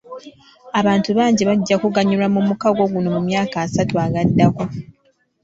Abantu bangi bajja kuganyulwa mu mukago guno mu myaka asatu agaddako.